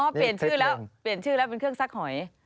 เปลี่ยนชื่อแล้วเปลี่ยนชื่อแล้วเป็นเครื่องซักหอย